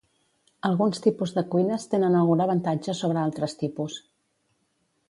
Alguns tipus de cuines tenen algun avantatge sobre altres tipus.